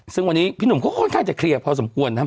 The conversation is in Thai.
ซึ่งวันนี้พี่หนุ่มค่อยเคลียร์พอสมควรนะ